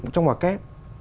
trong hòa kép